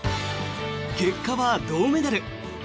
結果は銅メダル。